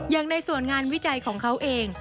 อย่างในส่วนงานวิจัยของเขาเอง